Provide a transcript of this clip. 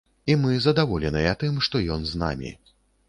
І мы задаволеныя тым, што ён з намі.